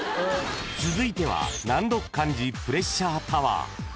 ［続いては難読漢字プレッシャータワー］